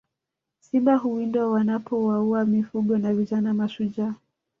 Simba huwindwa wanapowaua mifugo na vijana mashujaa